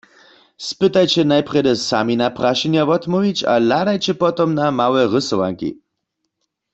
Spytajće najprjedy sami na prašenja wotmołwić a hladajće potom na małe rysowanki.